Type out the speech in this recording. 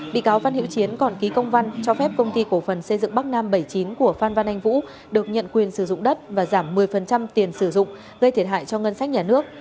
bị cáo phan hữu chiến còn ký công văn cho phép công ty cổ phần xây dựng bắc nam bảy mươi chín của phan văn anh vũ được nhận quyền sử dụng đất và giảm một mươi tiền sử dụng gây thiệt hại cho ngân sách nhà nước